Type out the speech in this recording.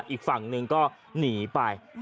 อีกฝั่งหนึ่งก็หนีไป